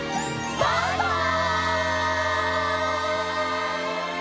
バイバイ！